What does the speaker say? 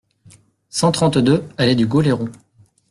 cent trente-deux allée du Goléron